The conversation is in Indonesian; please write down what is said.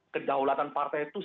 kedaulatan partai itu